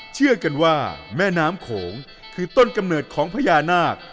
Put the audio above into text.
เชื่อกันว่าแม่น้ำโขงคือต้นกำเนิดของพญานาค